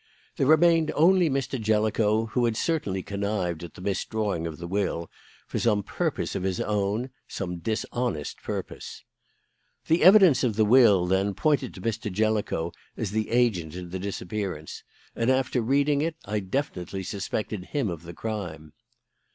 There remained only Mr. Jellicoe, who had certainly connived at the misdrawing of the will for some purpose of his own some dishonest purpose. "The evidence of the will, then, pointed to Mr. Jellicoe as the agent in the disappearance, and, after reading it, I definitely suspected him of the crime.